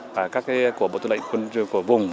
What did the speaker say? và các của bộ tư lệnh quân vùng